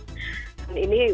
harus dipasang infus